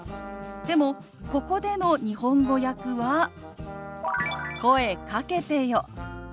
でもここでの日本語訳は「声かけてよ」。